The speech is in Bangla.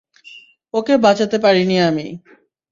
ওকে বাঁচাতে পারিনি আমি।